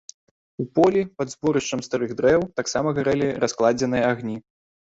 У полі, пад зборышчам старых дрэў, таксама гарэлі раскладзеныя агні.